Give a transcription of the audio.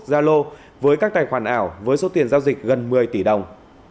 zalo với các tài khoản ảo với số tiền giao dịch gần một mươi tỷ đồng